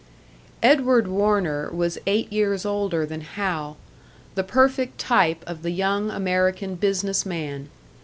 Edward Warner was eight years older than Hal; the perfect type of the young American business man.